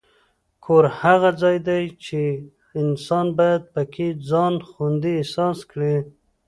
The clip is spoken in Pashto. کور هغه ځای دی چې انسان باید پکې ځان خوندي احساس کړي.